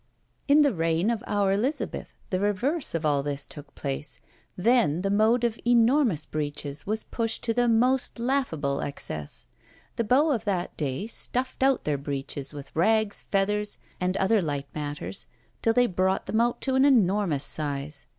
In the reign of our Elizabeth the reverse of all this took place; then the mode of enormous breeches was pushed to a most laughable excess. The beaux of that day stuffed out their breeches with rags, feathers, and other light matters, till they brought them out to an enormous size.